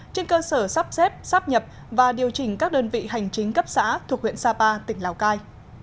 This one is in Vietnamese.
trên cơ sở sắp xếp sắp nhập và điều chỉnh các đơn vị hành chính cấp xã thuộc huyện sapa tỉnh lào cai